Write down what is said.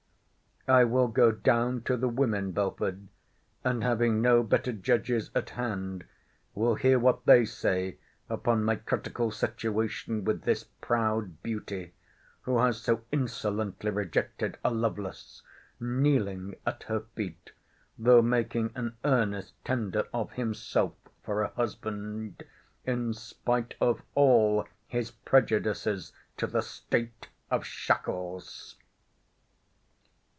I will go down to the women, Belford. And having no better judges at hand, will hear what they say upon my critical situation with this proud beauty, who has so insolently rejected a Lovelace kneeling at her feet, though making an earnest tender of himself for a husband, in spite of all his prejudices to the state of shackles.